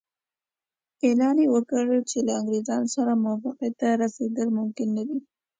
اعلان یې وکړ چې له انګریزانو سره موافقې ته رسېدل ممکن نه دي.